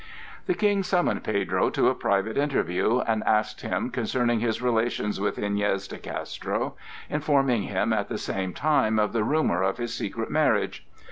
The King summoned Pedro to a private interview, and asked him concerning his relations with Iñez de Castro, informing him at the same time of the rumor of his secret marriage.